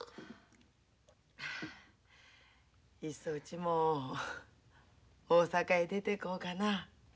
いっそうちも大阪へ出てこうかな。